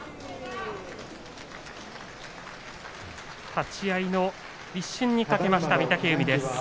立ち合いの一瞬に懸けました御嶽海。